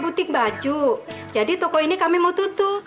butik baju jadi toko ini kami mau tutup